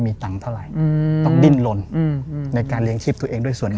มีตังค์เท่าไหร่ต้องดิ้นลนในการเลี้ยงชีพตัวเองด้วยส่วนหนึ่ง